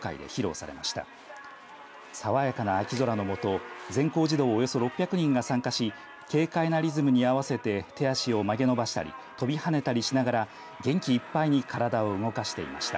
さわやかな秋空の下、全校児童およそ６００人が参加し軽快なリズムに合わせて手足を曲げ伸ばしたり飛び跳ねたりしながら元気いっぱいに体を動かしていました。